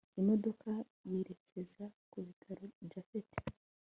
imodoka yerekeza kubitaro japhet